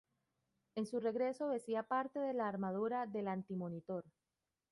En su regreso, vestía parte de la armadura del Antimonitor.